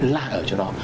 là ở chỗ đó